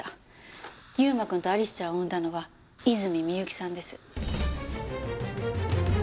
優馬くんとアリスちゃんを産んだのは泉美由紀さんです。